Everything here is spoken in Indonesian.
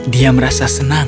dia merasa senang